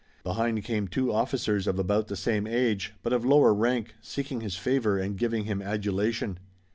Behind came two officers of about the same age, but of lower rank, seeking his favor and giving him adulation.